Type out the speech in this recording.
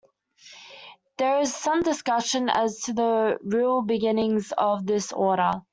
There is some discussion as to the real beginnings of this Order.